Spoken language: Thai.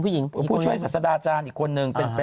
ผู้ช่วยศาสดาอาจารย์อีกคนนึง